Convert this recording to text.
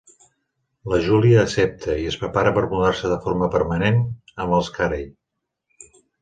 La Julia accepta, i es prepara per mudar-se de forma permanent amb els Carey.